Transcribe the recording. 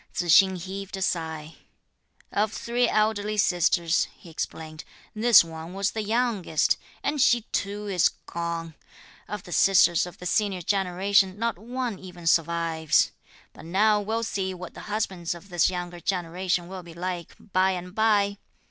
Tzu hsing heaved a sigh. "Of three elderly sisters," he explained, "this one was the youngest, and she too is gone! Of the sisters of the senior generation not one even survives! But now we'll see what the husbands of this younger generation will be like by and bye!"